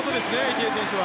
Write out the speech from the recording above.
池江選手は。